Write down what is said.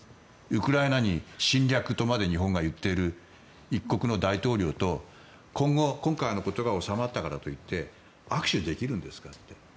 ウクライナに侵略とまで日本が言っている一国の大統領と、今回のことが収まったからといって握手できるんですかって。